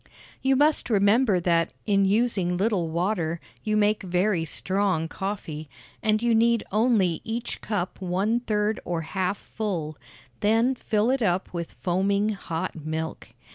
You must remember that, in using little water, you make very strong coffee, and you need only each cup one third or half full; then fill it up with foaming, hot milk.